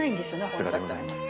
さすがでございます。